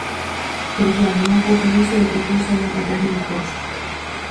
Pero claro, unha cousa é iso e outra cousa é a patente de corso.